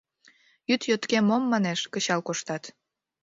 — Йӱд йотке мом, манеш, кычал коштат?